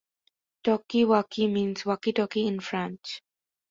"Talkie-walkie" means walkie-talkie in French.